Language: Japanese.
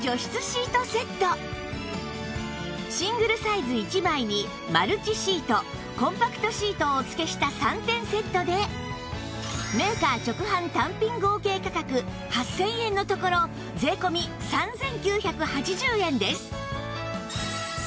シングルサイズ１枚にマルチシートコンパクトシートをおつけした３点セットでメーカー直販単品合計価格８０００円のところ税込３９８０円です